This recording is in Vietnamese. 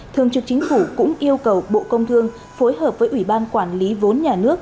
thường trực chính phủ cũng yêu cầu bộ công thương phối hợp với ủy ban quản lý vốn nhà nước